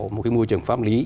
một cái môi trường pháp lý